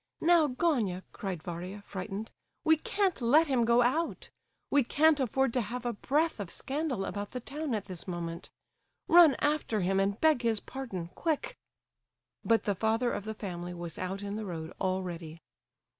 "Now, Gania," cried Varia, frightened, "we can't let him go out! We can't afford to have a breath of scandal about the town at this moment. Run after him and beg his pardon—quick." But the father of the family was out in the road already.